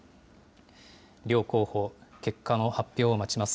両候補、結果の発表を待ちます。